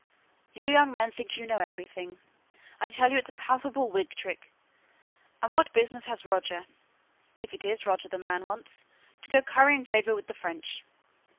"You young men think you know everything. I tell you it's a palpable Whig trick. And what business has Roger if it is Roger the man wants to go currying favour with the French?